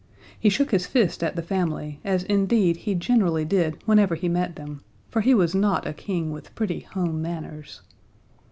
He shook his fist at his family, as indeed he generally did whenever he met them, for he was not a King with pretty home manners.